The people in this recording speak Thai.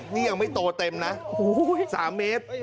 นี่ยังไม่โตเต็มนะ๓เมตร